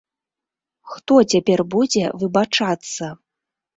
Хто цяпер будзе выбачацца?